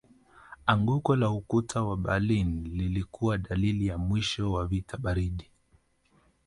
Anguko la ukuta wa Berlin lilikuwa dalili ya mwisho wa vita baridi